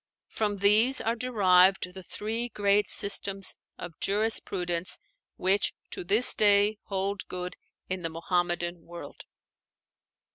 From these are derived the three great systems of jurisprudence which to this day hold good in the Muhammadan world.